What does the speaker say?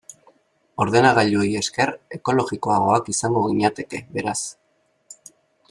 Ordenagailuei esker, ekologikoagoak izango ginateke, beraz.